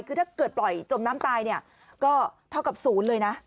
คือถ้าเกิดปล่อยจมน้ำตายเนี่ย